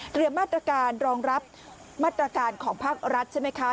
มาตรการรองรับมาตรการของภาครัฐใช่ไหมคะ